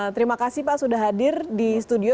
terima kasih pak sudah hadir di studio